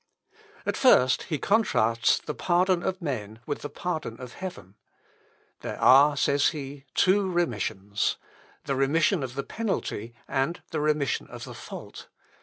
At first he contrasts the pardon of men with the pardon of heaven. "There are," says he, "two remissions the remission of the penalty, and the remission of the fault.